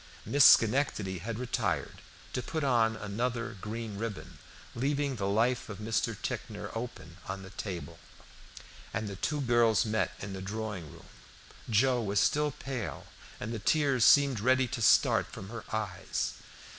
Miss Schenectady had retired to put on another green ribbon, leaving the life of Mr. Ticknor open on the table, and the two girls met in the drawing room. Joe was still pale, and the tears seemed ready to start from her eyes.